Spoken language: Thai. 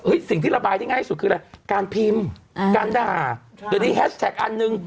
สิ่งที่ระบายได้ง่ายที่สุดคืออะไรการพิมพ์การด่าเดี๋ยวนี้แฮชแท็กอันหนึ่ง